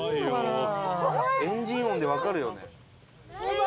エンジン音でわかるよね。